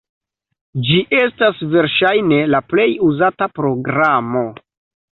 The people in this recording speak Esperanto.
Ĝi estas verŝajne la plej uzata programo.